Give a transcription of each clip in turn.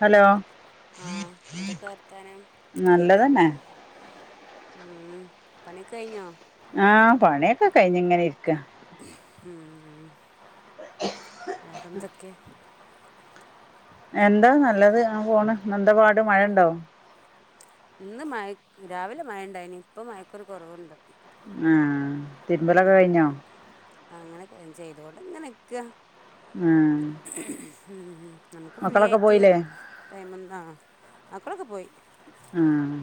Hello ആഹ് എന്തൊക്കെ വർത്താനം നല്ലതന്നെ ഉം പണിക്കഴിഞ്ഞോ ആ പണിയൊക്കെ കഴിഞ്ഞ്ങ്ങനെ ഇരിക്ക ഉം വേറെന്തൊക്കെ എന്താ നല്ലത് അങ്ങ്പോണ് പിന്നെന്തപാട് മഴണ്ടൊ ഇന്ന് മഴ രാവിലെ മഴണ്ടായിനി ഇപ്പ മഴക്കൊരു കുറവുണ്ട് ആ ഉം തിരുമ്പലൊക്കെ കഴിഞ്ഞോ അങ്ങനെക്കെ ചെയ്തോണ്ട്ങ്ങനെ നിക്കാ ആ ഉം നമുക്ക് ഫ്രീ മക്കളൊക്കെ ആയിട്ട് പോയില്ലേ ടൈമന്താ മക്കളൊക്കെ പോയി ആഹ്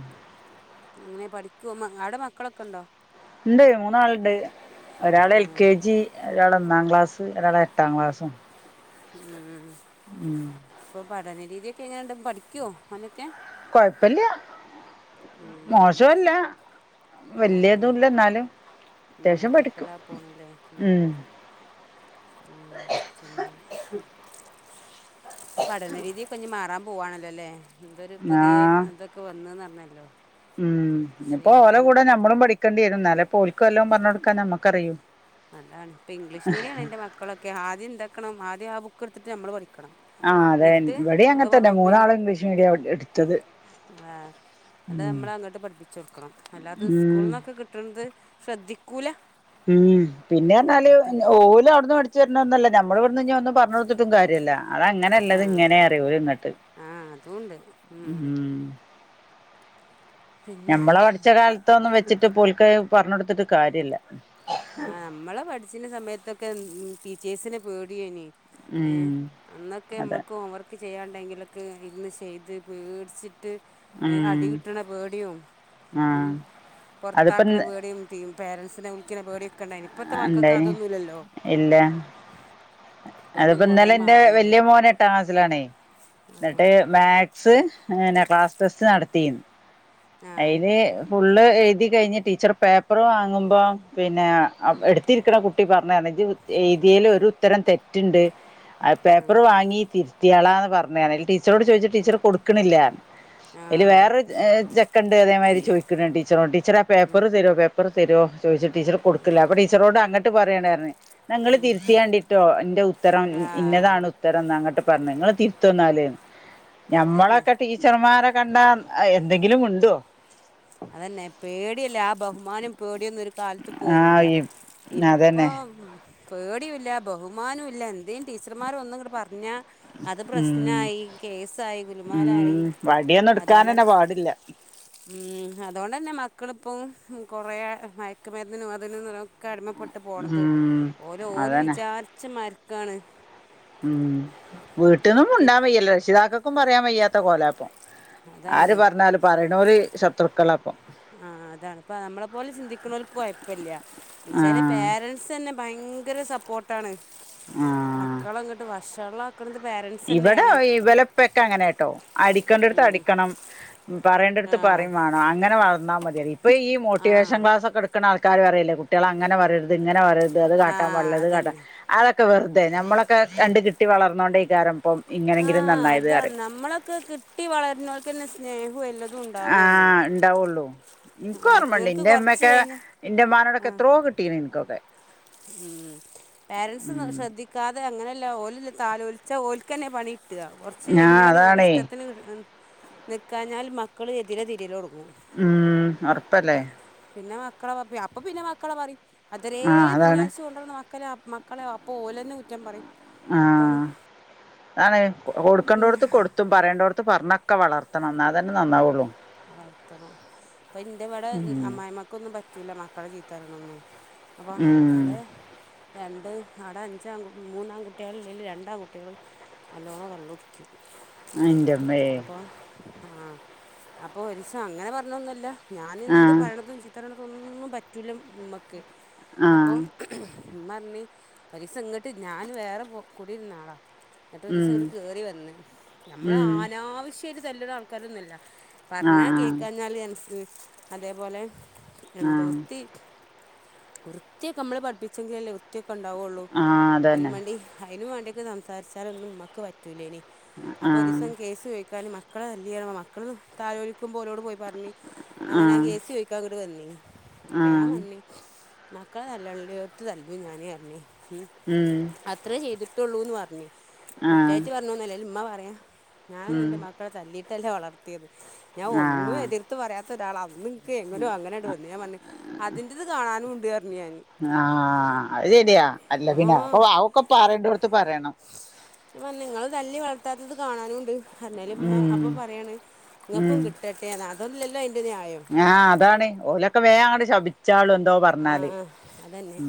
അങ്ങനെ പഠിക്കുമോ ആവിടെ മക്കളൊക്കെ ഉണ്ടോ ഉണ്ട് മൂന്നാളുണ്ട് ഒരാൾ എൽ ആഹ് കെ ജി ഒരാൾ ഒന്നാം ക്ലാസ് ഒരാൾ എട്ടാം ക്ലാസ്സും ഉം ഉം ഇപ്പൊ പഠന രീതിക്കെങ്ങനെയണ്ട് പഠികോ മോനൊക്കെ കൊഴപ്പില്ല ഉം മോശവല്ല ആഹ് വല്യതുംല്ല എന്നാലും ഉം അത്യാവശ്യം പഠിക്കും കുഴപ്പമില്ലാതെ പോണില്ലേ ഉം പിന്നെ ഇപ്പൊ പഠന രീതിൽ ഇപ്പൊ ഇനി മാറാൻ പോവാണല്ലോ അല്ലേ ഇതൊരു പുതിയ ആ ഇതൊക്കെ വന്നന്ന് പറഞ്ഞല്ലോ ഉം ശ്രീമാനോ ഇന്നലെപ്പോ ഒരിക്ക് വെല്ലോം പറഞ്ഞു കൊടുക്കാ നമക്കറിയൂ അതാണ് ഇപ്പൊ ഇംഗ്ലീഷ് മീഡിയമാണ് എന്റെ മക്കളൊക്കെ ആദ്യം എന്താക്കണം ആദ്യം ആ ബുക്ക് എടുത്തിട്ട് നമ്മള് പഠിക്കും ആ അതെ ഇവിടെ അങ്ങനത്തന്നെ മൂന്നാളും ഇംഗ്ലീഷ് മീഡിയം എടുത്തത് ആഹ് അല്ല ഉം നമ്മള് അങ്ങോട്ട് പഠിപ്പിച്ചു കൊടുക്കണം അല്ലാതെ ഉം സ്കൂളിൽന്നൊക്കെ കിട്ടുന്നത് ശ്രദ്ധിക്ക ഉം പിന്നെ പറഞ്ഞാല് എന്നിട്ട് ഓലും അവിടുന്ന് മേടിച്ചു വരണന്നല്ല നമ്മൾ ഒന്നും പറഞ്ഞ് കൊടുത്തിട്ടും കാര്യല്ല അത് അങ്ങനെ ആ ഇത് ഇങ്ങനെ അറിയോ ഇങ്ങോട്ട് ആ ഉം പിന്നെ ഞമ്മള് പഠിച്ച കാലത്തൊന്നും വെച്ചിട്ട് പോൽക്ക പറഞ്ഞ് കൊടുത്തിട്ട് കാര്യല്ല ആ നമ്മള് പഠിച്ചിന് സമയത്തൊക്കെ ടീച്ചേഴ്സിനെ പേടിയനി ഏ ഉം അന്നൊക്കെ അതെ നമ്മൾക്ക് ഹോം വർക്ക് ചെയ്യാണ്ടെങ്കിലോ ഒക്കെ ഇരുന്ന് ചെയ്ത് പേടിച്ചിട്ട് ഉം അടി കിട്ടണ പേഡിയവും ഉം ആഹ് അതിപ്പോ പൊറത്താക്കണ ഇന്ന് പേടിയും പേരൻസിനെ വി ചിന്തിക്കണ പേടിയൊക്കെ ഉണ്ടായിന് ഇപ്പത്തെ മക്കാക്ക് ഇണ്ടായിനി അതൊന്നുമല്ലല്ലോ ഇല്ല അതിപ്പോ ഇന്നലെ എന്റെ വല്യ മോന എട്ടാം ക്ലാസിലാണേ എന്നിട്ട് മാത്‍സ് പിന്നെ ക്ലാസ് ടെസ്റ്റ് നടത്തിന്ന് ആ ആ അതിൽ ഫുള്ള് എഴുതി കഴിഞ്ഞ് ടീച്ചർ പേപ്പർ വാങ്ങുമ്പോ പിന്നെ എടുത്തിരിക്കണ കുട്ടി പറഞ്ഞതണെങ്കിൽ ഏതിയൽ ഒരു ഉത്തരം തെറ്റുണ്ട് പേപ്പർ വാങ്ങി തിത്തിയാളാന്ന് പറഞ്ഞയാണ് ടീച്ചോട് ചോദിച്ച ടീച്ചർ കൊടുക്കണില്ല ആ അയിലെ വേറെ ഒരു ചെ കണ്ട് അതേമാതിരി ചോദിക്കുന്നുണ്ട് ടീച്ചറോട് ടീച്ചറേ ആ പേപ്പറ് തരുവോ പേപ്പറ് തരുവോ ചോദിട്ട് ടീച്ചർ കൊടുക്കില്ല അപ്പോ ടിച്ചറോട് അങ്ങോട്ട് പറയണമായണ് പറഞ്ഞ് ഞങ്ങള് തിർത്തിയേണ്ടിട്ടോ എന്റെ ഉത്തരം ആ ഇന്നതാണ് ഉത്തരന്ന് അങ്ങട്ട് പറ- പറഞ്ഞ് നിങ്ങള് തിർത്തുന്നാല് ആ അതന്നെ ഞമ്മളൊക്കെ ടീച്ചർമാരെ കണ്ടാ എന്തെങ്കിലും മി മിണ്ടുവോ അതന്നെ പേടിയല്ലേ ആ ബഹുമാനം പേടിയൊന്നും ഒരു കാലത്ത് ആഹ് പോവൂല്ല ഈ അതന്നെ ഇപ്പം പേടിയുംല്ല ബഹുമാനവും ഇല്ല എന്തേും ടീച്ചർമാര ഒന്നും ഇങ്ങൂടെ പറഞ്ഞാ അത് ഉം പ്രശ്നമായി കേസായി ഗുലുമാലായി ഉം വടിയൊന്നും അതോടെ എടുക്കാനന്നെ പാടില്ല ഉം അതുകൊണ്ട് തന്നെ മക്കളിപ്പം കൊറെ മയക്കുമരുന്നിനും അതിനുംക്കെ അടിമ- പേട്ട് പോണത് ഉം ഓര ഓലും അതന്നെ വിചാരിച്ച് മരക്കാണ് ഉം വീട്ടന്നും പിന്നെ മുണ്ടാൻ വയ്യല്ലോ രക്ഷിതാക്കൾക്കും പറയാൻ വയ്യാത്ത കോലാപ്പം അതാണ് ആര് പറഞ്ഞാല് പറയണൂല് ശത്രുക്കള അപ്പം ആഹ് അതാണ് ഇപ്പ നമ്മളെ പോലെ ചിന്തിക്കുന്നവർക്ക് കുഴപ്പില്ല ഈ ചെല ആഹ് പേരൻസ് തന്നെ ഭയ ഭയങ്കര സപ്പോർട്ടാണ് മക്കളങ്ങോട്ട് വഷള- ഇവിടെഈ വലപ്പൊക്ക അങ്ങനൊട്ടോ അടിക്കേണ്ടടുത്ത് ഉം അടിക്കണം പറയേണ്ട അടുത്ത് ആഹ് പറയാ - [unintelligible] അങ്ങനെ വളർ വന്നാ മതിയ ഇപ്പൊ ഈ മോട്ടിവേഷൻ ആഹ് ക്ലാസ്ക്കെ എടുക്കണആൾക്കാര് പറയില്ല കുട്ടികളെ അങ്ങനെ പറയരുത് അങ്ങനെ പറയരുത് ഇത് അത് കാട്ടാൻ ആഹ് പടില്ല ഇത് കാട്ടാം അതന്നെ അതൊക്കെ വെറുതെ നമ്മളൊക്കെ കണ്ട് കിട്ടി വളർന്നോണ്ടേ ഇതാരഭം ആഹ അതാണ് നമ്മളൊക്കെ കിട്ടി വളരുന്നവൾക്കന്നെ സ്നേഹവും എല്ലാം ആഹ് ഉണ്ടാവുള്ളൂ എനിക്ക് ഓർമ്മണ്ട് മറ്റോൽക്ക് കുറച്ച് ഇന്റെമ്മയൊക്കെ കഴിഞ്ഞ് എന്റെ ഇമ്മനോടൊക്ക്ഇത്രഓ കിട്ടീനു എനിക്കൊക്കെ ഉ പോരൻസ് ഉം ശ്രദ്ധിക്കാതെ അങ്ങനെ ഓൽ തഒലിച്ച ഓലക്കന്നെ പണി കിട്ടുക കൊറച്ച് ആഹ് കഴിഞ്ഞാല് ഓല അതാണേ ഇഷ്ടത്തിന്- നിൽക്കാഞ്ഞാൽ മക്കൾ എതിരെ തിരിലടും ഉം ഉറപ്പല്ലേ പിന്നെ മക്കളെ അപ്പൊ പിന്നെ മക്കളെ പറയും അത്തരേ ആഹ് അതാണ് പിന്നച്ച കൊണ്ടിരുന്ന- മക്കലെ മക്കളെ അപ്പോൾ ഓലെന്നാകുറ്റം പറയും ആ അതാണ് അതാണ് കൊടുക്കേത്ത് കൊടുത്തും പറയണ്ടടുത്ത് പറഞ്ഞൊക്കെ വളർത്തണം എന്നാ തന്നെ നന്നാവുള്ളൂ വളർത്തണം ഇപ്പൊ എന്റെ ഇവിടെ ഉം അമ്മായിമ്മക്കൊന്നും പറ്റൂല്ല മക്കളെ ചീത്തപാറയാണഒന്നും ഉം അപ്പഹാടെ രണ്ട് അവിടെ അഞ്ചാം മൂന്നാംകുട്ടികൾ അല്ലെങ്കിൽ രണ്ടാംകട്ടികൾ നല്ലോണം കള്ള് കുടിക്കും ആൻന്റെമ്മേ ആ അപ്പൊ ഒരുരിസം അങ്ങനെ പറഞ്ഞൊന്നല്ല ഞാൻ എന്ത് ആഹ് പറയണതും ചിത്ര- അതൊന്നും പറ്റില്ല നമുക്ക് ആഹ് അപ്പം ഉമ്മ പറഞ്ഞ് ഒരുലസ ഇങ്ങോട്ട് ഞാൻ വേറെ പോ കൂടിയിരുന്നാളാ എന്നിട്ട് ഒരു ദിവസം ഉം ഇങ്ങട്ട് കേറി വന്ന് നമ്മള് ഉം അനാവശ്യമായിട്ട് തല്ലണ ആൾക്കാരൊന്നുംല്ല പറഞ്ഞാൽ ആഹ് ആഹ് കേക്കാഞ്ഞാല് അതേപോലെ എന്താ ആഹ് വൃത്തി- വൃത്തിയൊക്കെ നമ്മള് പഠിപ്പിച്ചെങ്കിലും അല്ലേ വൃത്തിയൊക്കെ ഉണ്ടാവുള്ളൂ ആഹ് അതിന് അതന്നെ വേണ്ടി അതിന് വേണ്ടി സംസാരിച്ചാലൊന്നുംക്ക് പറ്റല ഇനി അപ്പോൊ ആഹ് ഒരുസം കേ ചോദിക്കാലും മ മക്കളെ നല്ല മക്കളും താൊ ഒരു നക്കും പോലോട് പോയി പറഞ്ഞഞ് ആഹ് അങ്ങനെ ഗ ആഹ് എ സി ചോയ്ിക്കാങ്ങോട്ട് വന്നി അപ്പൊ ഞാൻ വന്നി മക്കളെ തല്ലള്ളോർത്ത് തല്ലു ഞാനേ പറഞ്ഞേ ഉ ഉം അത്രേ ചെയ്തിട്ടുള്ളൂന്ന് പറഞ്ഞേ ആഹ് കുറ്റാ്ു പറഞ്ഞുന്നല്ലേ ഉമ്മ പറയാം ഞാനൻൊന്ന് ഉം എന്റെ മക്കളെ തല്ലിട്ടല്ലേ വളർത്തിയത് ഞാൻ ഒന്നും ആഹ് എതിർത്ത് പറയാത്ത ഒരാൾ അന്നും എനും അങ്ങനെയട്ട വു ഞാൻ പറ അതിന്റത് കാണാനുംണ്ട് ആഹ അത് ശരിയാ അല്ല ആ പിന്നെ അപ്പൊ അവൊക്കെ പറണ്ടോടുത്ത് പറയണം അ നിങ്ങള്ൾ തല്ലി വളർത്താത്തത് കാണാനുംുണ്ട് പറഞ്ഞല്മ്മ ഉം അപ്പൊ പറയാണ് നിങ്ങൾക്കും ഉം കിട്ടട്ടെ എന്ന് അതൊന്നുമല്ലല്ലോ അതിൻ്റെ ന്യായം ആ അതാണ് ഓലൊക്കെ വേ അങ്ങ ശപ ച്ച എന്തോ ആ പറഞ്ഞാല് ഉ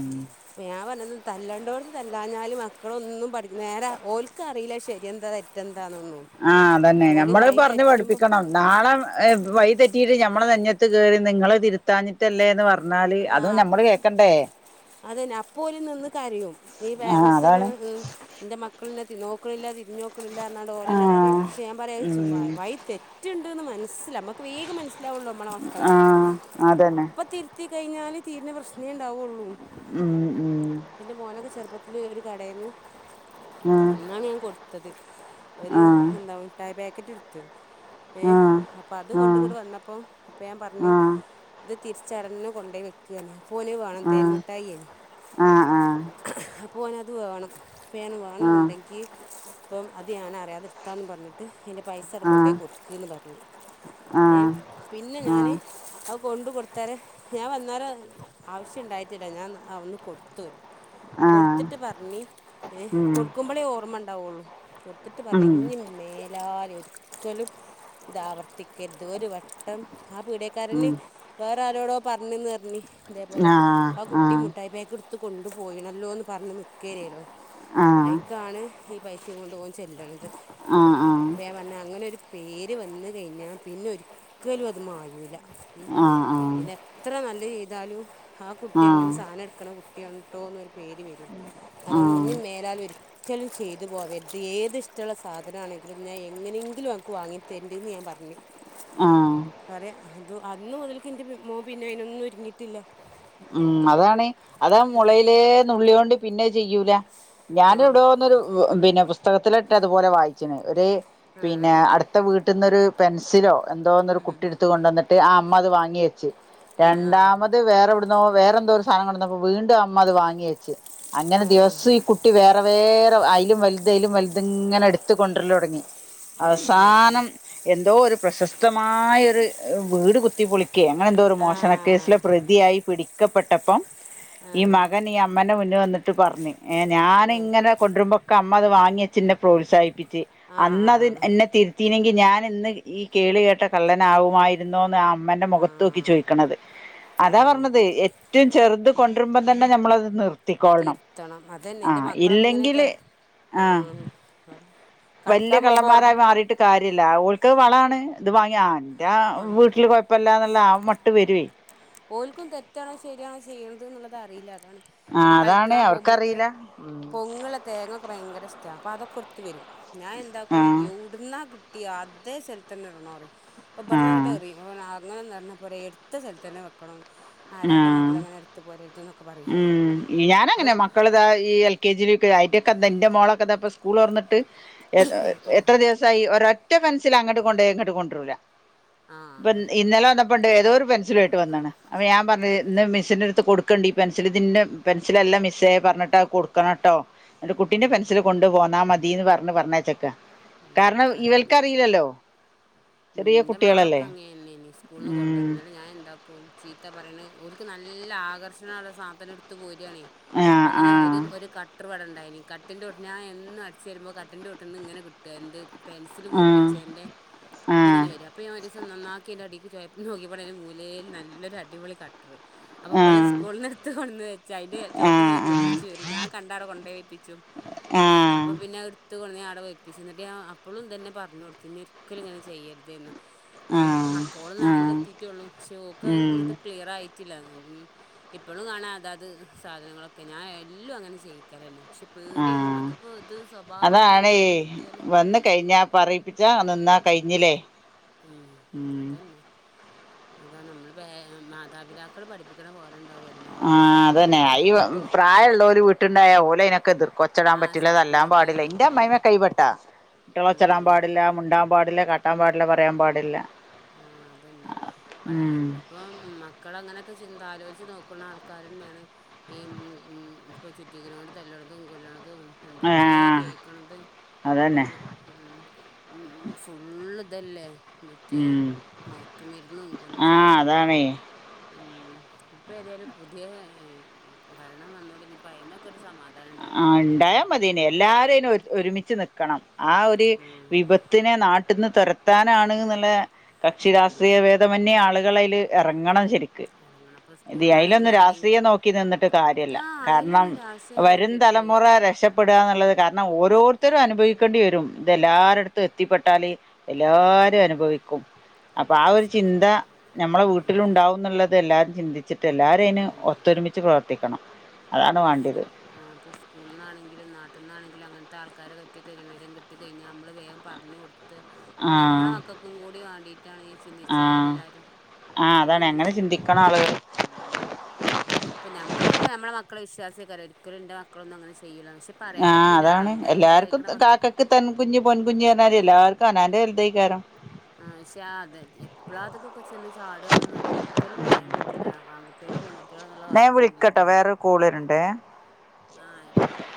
തല്ലണ്ടോടന്ന് തല്ലാഞ്ഞാല് മക്കളൊന്നും പഠ നേരെ ഓല്ക്ക അറിയില്ല ശരിയ എന്താ തെറ്റന്ത ആഹ അതന്നെ ഞമ്മള് പറഞ്ു തെറ്റുമ്പോൾ പഠിപ്പിക്കണം നാളെ വൈതെറ്റി കറ്റീട്ട നമ്മള് നന്നയത്ത് കേയറി നിങ്ങള്ൾ തിരുത്താഞ്ഞിട്ടല്ലേ എന്ന് പറഞ്ഞാല് അതും നമ്മള് കേക്കണ്ടേ അതന്നെ അപ്പോലും നിന്ന് കരും ഈ ആഹ് പേരൻറ്സെ അതാണ് എന്റെ മക്കളെ നോക്കില്ല തിരി നോക്കണില്ല എന്നാണ് ോഓരന്നെറിയം ആഹ് പക്ഷെ ഞാൻ പറയാ ഉം വൈ തെറ്റുണ്ട് മനസ നമ്മക്ക് വേഗം മനസിലാവുള്ളു നമ്മളെ മക്കളെ ആഹ് അതന്നെ അപ്പ ഞ്ഞാല് തീര പ്രശ്നേ ഉണ്ടാവയുള്ളൂ ഉം ഉം പിെ മോനൊക്കെ ചെറുപ്പത്തില്ൽ ഒരു കടയിൽന്ന് ആഹ് അന്നാണ് ഞാൻ കൊടുത്തത് ഒരു ആഹ് എന്താ മുട്ടായ പാക്കറ്റ് എടുത്ത ഏ അപ്പൊ അത കൊണ്ട ഇങ്ങടെ വന്നപ്പ അപ്പൊ ഞാൻ പറഞ്ഞി ഇത് തിരിച്ചടന്ന്ു കൊണ്ട പോോയി വെക്കുകന്നെ അപ്പ നെ വേണം തേന്മുട്ടായി അനി ഉം പോൻത് വേണം പോൻ വേണമെന്നുണ്ടെങ്കിൽ അപ്പം അത് ഞാനൻറിയാതെത്താന്ന് പറഞ്ഞിട്ട് എ് പൈസ അവിടെ കൊണ്ടോയി ആഹ് കൊടുക്കന്ന് പറഞ്ഞു ഏ ആഹ് പിന്നെ ഞാൻ ആഹ് അത് കൊണ്ട് കൊടുത്ത തരെ ഞാൻ വന്നാൽ ആവശ്യം ഉണ്ടായിട്ടില്ല ഞാൻ ഒന്ന് കൊടുത്ത വരും ആഹ് കൊടുത്തിട്ട് പറഞ്ഞ ഏ ഉം കൊടുക്കുമ്പോളേ ഓർമ്മ ഉണ്ടാവുള്ളൂ കൊടു ട്ട് ഉം പറഞ്ഞഞ് ഇും മേല ഒരിക്കലും ഇത ആവർത്തിക്കരുത് ഒരു വട്ടം ആ ഉം പീഡക്കാരന് വേറെ ആരോടോ പറഞ്ഞ് ന്ന് പറഞ്ഞ് അതേപോലെ ആഹ് ആ കുട്ടി ആഹ് മുട്ടായി പാക്കെടുത്ത് കൊണ്ടു പോയിണല്ലോ എന്ന് പറഞ്ഞ് നിൽക്കരേല്ലോ ആഹ് ഐക്കാണ് ഈ പൈസയും കൊണ്ട് ഓൻ ചെല്ലണത് ആഹ് ആഹ് അപ്പ ഞൻ പറഞ്ഞാ അങ്ങനെരു പേര് വന്ന് കഴിഞ്ഞാൽ പിന്നെ ഒരിക്കലും അത് മായൂല്ല ഉ ആഹ് ആഹ് പിന്നെ എത്ര നല്ല ചെയ്താലും ആ കുട്ടി ആഹ് അങ്ങനെ സാധനം എടുക്കണ കുട്ടിയട്ടോ എന്നൊരു പേര് വരും അതുകൊണ്ട് ആഹ് ഇന മേലാലും ഒരിക്കലും ചെയ്തു പോവംത് ഏത് ഇഷ്ടമുള്ള സാധന ആണെങ്കിലും ഞാ എങ്ങനെങ്കിലും അനിക്ക് വാങ്ങി തരലുണ്ട് ഞാൻ പറഞ്ഞന്ന് ഞ്ഞ് ആഹ് പറയാ അത് അന്ന മുതലക്ക എന്റെ മോ പിന്നെ അയിനൊന്നും ഒരുങ്ങിട്ടില്ല ഉം അതാണ് അതാ മുളയിലെ നുള്ളൊണ്ട് പിന്നെ ചെയ്യൂല ആ ഞാന ഇവിടെോന്നരു പിന്നെ പുസ്തകത്തിലിട്ട് അതുപോലെ വായിച്ചന് ഒരു ആ പിന്നെ അടുത്ത വീട്ടിൽന്നൊരു പെൻസിലോ എന്തോന്നരു കുട്ടിയ എടുത്ത കൊണ്ട വന്നിട്ട് ആ അമ്മ അത് വാങ്ങി വെച്ചു രണ്ടാമത് വേറെവിടു വേറെന്തോ ഒരു സാധന കണ്ടപ്പോ വീണ്ടും അമ്മ അത് വാങ്ങ വെച്ച് അങ്ങനെ ആ ആ ദിവസം ഈ കുട്ടി വേറെ വേറെ അലും വലുത അലും വലുത ഇങ്ങനെടുത്ത് കൊണ്ടുവരല തുടങ്ങി അവസാനം എന്തോ ഒരു പ്രശസ്തമായൊ ഒരു വീട് കുത്തി പൊളിക്ക എങ്ങനെന്തോ ഒരു ആ ആ ആ മോഷണ കേസില് പ്രതിയായി പിടിക്കപ്പെട്ടപ്പം ഈ മകൻ ഈ അമ്മനെ മുന്ന വന്നിട്ട് പറഞ്ഞ ഏർ ഞാന ഇങ്ങനെ കൊണ്ടരുമ്പോക്കെ മ്മത് വാങ്ങച്ചെ പ്രോത്സാഹിപ്പ ആ ആ അന്നത് ആ തി ഞാൻ ഇന്ന് ഈ കേളി കേട്ട കള്ളനാവുമായിരുന്നോന്ന് അമ്മന്റെ മുഖത്ത് നോക്കി ആഹ് ചോദിക്കണത് അതാ അതന്നെ പറഞ്ഞത് ഏറ്റവും ചെർത് കൊണ്ടര്മ്പം തന്നെ നമ്മളത് നിർ തീർത്തണം അതന്നെ എന്റെ മക്കളൊക്കെ ഇങ്ങനെത്തെ ഇല്ലെങ്കില് ആഹ് വല്യ കളിക്കാൻ പോകുമ്പോ കള്ളന്മാരായി മാറിയിട്ട് കാര്യ ഇല്ല ഓൽക്ക് വളാണ് ഇത് വാങ്ങിയ എന്റെ വീട്ടില് കൊഴപ്പില്ലാന്നുള്ള ആ മട്ട് വരു. ഓൽക്കും തെറ്റാണോ ശരിയാണോ ചെയ്യണത് ന്നുള്ളത് അറീല്ല ആ പിന്നെ അതാണ് കളിക്കാൻ പോവുമ്പളൊക്കെ അവർക്കറിയില്ല പൊങ്ങുള്ള തേങ്ങൊക്കെ ഭയങ്കര അപ്പൊ അതൊക്കെ ഇട്ത്ത് വരും ഞാൻ എന്താക്കും ആഹ് യൊവ്ട്ന്നാ കിട്ടിയെ അതേ സ്ഥലത്ത് തന്നെ ഇട്ണം പറിം അപ്പൊ ഇപട്ന്ന് അങ്ങട്ട് ആഹ് എറിം അപ്പൊ ഞ്ഞാം പറിം അങ്ങനൊന്നും എറിഞ്ഞാ പോര ഇട്ത്ത സ്ഥലത്തന്നെ വെക്കണം ആ ആരാന്റെ മുതൽ അങ്ങനെ എടുത്ത് പോരരുത് എന്നൊക്കെ പറയും ഉം അപ്പൊ ഞാനങ്ങനെ മക്കളതാ ഈ എൽ കെ ജി എന്റെ മോളൊക്കത സ്കൂൾറൊന്നിട്ട് ആഹ് എത്ര ദിവസായി ഒരറ്റ ഒറ്റ പെൻസിൽ അങ്ങട്ട് കൊണ്ടോയാ ഇങ്ങട്ട് കൊണ്ടരൂല ഇപ്പൊ ആഹ് ഇന്നലെ പണ്ട്ഏതോരു പെൻസിലുയിട്ട് വന്നണ് അപ്പ ഞാൻ പറഞ്ഞത് ഇന്ന് മിസ്ന്റെടുത്ത് കൊടുക്കേണ്ടി. പെൻസിലിതിന്നെ പെൻസിലെല്ല മിസ്സേ പർഞ്ഞിട്ട കൊടുക്കണംട്ടോ. എന്റെ കുട്ടീന്റെ ഉം പെൻസിൽ കൊണ്ട് പോന്നാ മതിന്ന് പർഞ് പർഞ്ഞയ്‌ച്ചക്ക. ഉം കാരണം. അതന്നെ ഇവൽക്കറിയില്ലല്ലോ. ഉം ചെറിയ ന്റെ മകളൊക്കെ കുട്ടികളല്ലേ അങ്ങനെന്നീനി സ്‌കൂൾന്ന് ഉം കൊണ്ടാരും ന്നട്ട് ഞാൻ എന്താക്കും ചി എത്ത പറണ് ഓൽക് നല്ല ആകർഷണള്ള സാധന ട്ത് പോയി ക്യായണേ ആ ആ അങ്ങനെ ഒരു ഒരു കട്ട്. വെട ഇണ്ടായിനി കട്ടിന്റൊട്ട് ഞാൻ എന്നും അടിചേരുമ്പം കട്ടിന്റൊ ട്ടീന്ന്ങ്ങനെ കിട്ടു എന്ത് പെൻസില് ആ കൂർപ്പിച്ചെന്റെ ആ ഇത്ങ്ങനെ വരും അപ്പൊ ഞാൻ ത് നന്നാക്കി അയിന്റെ അടീക് ചോയപ് നോക്കിയപ്പോ അയിന്റെ മൂലേൽ നല്ലരു അടിപൊളി ക അപ്പൊ ആ ആ ബള് സ്കൂള്ന്ന് ട്ത്ത്‌ കൊടന്ന് വെച്ചഅയിന്റെ ചോട്ടു പോയി കുർപ്പിച്ച് വരും ഞാൻ കണ്ടാ അവിടെ കൊണ്ടയിപ്പിച്ച് ആ ച്ചു അപ്പൊ ആ പിന്നെ അടുത്തു കൊടന്ന് അ അവിടെ വെപ്പിച്ച് എന്നിട്ട് ഞാൻ അപ്പോളും ഇതു തന്നെ പറഞ്ഞ് കൊടുത്ത് ഇനി ഒരിക്കലും ഇങ്ങനെ ചെയ്യരുതേ എന്ന്. ആ ഉം മക്കോള് ആ നാലിൽ എത്തീട്ടോയുള്ളൂ ക്ഷെ ഓക്കത് ഉം ഇങ്ങട്ട് ക്ലിയറായി പറ്റില്ലന്ന് ഇപ്പോളും കാണാ അതാത് സാധനങ്ങളൊക്കെ ഞാൻ എല്ലും അങ്ങനെ ചെയ്യിക്കലെന്നെ. ആ അങ്ങോട്ട് അതാണേ വന്ന് കിട്ടിയാൽ വന്ന് കഴിഞ്ഞപ്പ പറയിപ്പിച്ചാ നിന്നാ.. കഴിഞ്ഞിലെ? മ് അതന്നെ അതാണ് മ്മള് ബേ മാതാപിതാക്കൾ പഠിപ്പിക്കണ പോലെ.. ഉണ്ടാവും എല്ലാ ആഹ് സ്വഭാവം അതന്നെ ഇനിയിപ്പോൾ ഈ എന്ത് പ്രായല്ലോര് വീട്ടുണ്ടായ ഓലെ യി നൊക്കെ എതിർ ക്കൊ ഒച്ചടാൻ ആ പറ്റൂല തല്ലാം സപ്പോർട്ട് പാടില്ല ചെയ്യും ഇന്റെ ഉം, അമ്മായിമ്മക്കെ കൈപെട്ടാ കുട്ടിളൊച്ചല്ലാൻ ഉം. പാടില്ല' മുണ്ടാൻ. പാടില്ല കാട്ടാൻ പാടില്ല പറയാൻ പാടില്ല. ആ അതന്നെ. ഇപ്പ ഉം ഇപ്പം മക്കള് അങ്ങനൊക്കെ ചിന്താലോചിച്ച് നോക്കണ ആൾക്കാരെന്നെയാണ് ഈ മ് ഇപ്പോൾ ചുറ്റി ഗ്രൗണ്ട് തല്ലണതും കൊല്ലണതും അതും ആ എന്തൊക്കെ കേക്കണത്. അതന്നെ ഓമ ഉം ഉം ഫുള്ള് അതല്ലേ മറ്റേ ഉം മയക്ക്മരുന്നും ആ കഞ്ചാവും.. അതാണേ മ് ഇപ്പ ഏതായാലും പുതിയ ഭരണം വന്നോടെ ഇനി ഇപ്പ അയിന്നൊക്കെ ഒരു സമാ ആ ഉണ്ടായാ മതേനി എല്ലാരും അയിന് ഒര് ഒരുമിച്ച് നിക്കണം ആ ഒരു ഉം വിപത്തിനെ നാട്ട്ന്ന് തുരത്താനാണ് ന്ന്ള്ള കക്ഷി ഉം രാഷ്ട്രീയ ഭേദമന്യേ ആളുകളയില് എറങ്ങണം ശരി ഇറങ്ങണം അപ്പൊ [inaudible] അയിലൊന്നും സ്കൂളിന്നാണെങ്കിലും ആരെങ്കിലും രാഷ്ട്രീയം നോക്കി നിന്നിട്ട് കാര്യല്ല ആഹ് കാരണം അയിലൊന്നും രാഷ്ട്രീയം വരും തലമുറ നോക്കരുത് [inaudible] ഇടാന്നുള്ളത് കാരണം ഓരോരുത്തരും അനുഭവിക്കണ്ടി വരും ഇത് എല്ലരെട്ത്തും എത്തിപ്പെട്ടാൽ ആഹ് എല്ലാരു അതന്നെ അനുഭവിക്കും അപ്പൊ ആ ഒരു ഇപ്പസ് ചിന്ത നമ്മളെ ഉം വീട്ടിലുണ്ടാവുന്നുള്ളത് എല്ലാ ചിന്തിച്ചിട്ട് എല്ലാരുഅയിന് ഒത്തൊരുമിച്ച് പ്രവർത്തിക്കണം അതാണ് ബസ് വാണ്ടിയത് ആഹ് ബസ് സ്കൂളിൽന്നാണെങ്കിലും നാട്ടിൽനണെങ്കിലും അങ്ങനത്തെ ആൾക്കാരെപറ്റി ഒരു വിവരം കിട്ടി കഴിഞ്ഞാൽ നമ്മൾ അത് വേഗം പറഞ്ഞഞ് കൊടുത്ത് അത് ആഹ് നമ്മുടെ മക്കൾക്കും കൂടി വേണ്ടിട്ട് എന്താണ് ചിന്തിച്ചാ ആഹ് എല്ലാരും ആഹ് അങ്ങനെ അതാണ് ചിന്തിച്ചാ മതി ചിന്തിക്കണം ആളുകൾ ഉ ഇപ്പൊ നമ്മക്കൊക്കെ നമ്മളെ മക്കളെ വിശ്വാസിക്കക്ക ഒരിക്കുംന്റെ മക്കളൊന്നും അങ്ങനെ ചെയ്യൂലാന്ന് ആ അതാണ് എല്ലാർക്കും മക്കൾ കാക്കക്ക് തൻകുഞ്ഞ് പൊൻകുഞ്ഞ് പറഞ്ഞമാരി എല്ലാവർക്കും കനന്റെ എലുത കാരണം ആ പക്ഷെ അത് എപ്പളാ അതൊക്കൊക്കെ ചെന്ന് ചാടുകൊന്നും ഒരിക്കലും പറയാൻ പറ്റൂല്ല ആൺകുട്ടികള പെൺകുട്ടി ഞാൻ വിളിക്കട്ടോ വേറെരു കോളരുണ്ടേ ആ ആയിക്കോട്ടെ